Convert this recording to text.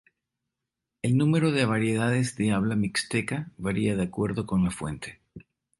El número de variedades de habla mixteca varía de acuerdo con la fuente.